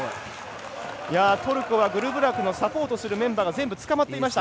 トルコはグルブラクをサポートするメンバーが全部つかまっていました。